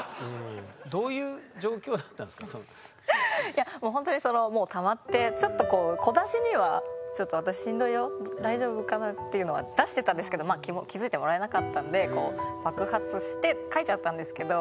いやもうほんとにもうたまってちょっと小出しにはちょっと私しんどいよ大丈夫かな？っていうのは出してたんですけど気付いてもらえなかったんで爆発して書いちゃったんですけど。